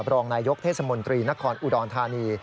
รองนายยกเทศมนตรีนครอุดรธานี